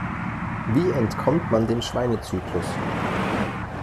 Wie entkommt man dem Schweinezyklus?